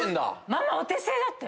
ママお手製だって。